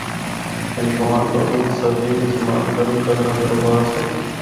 ہندکوان لوگاں بچ سردیاں بچ حمام گرم کرنا دا رواج ہے۔